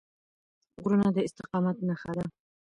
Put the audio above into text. غرونه د استقامت نښه ده.